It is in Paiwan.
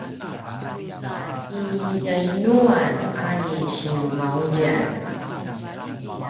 i yainuan a i Sinvaudjan?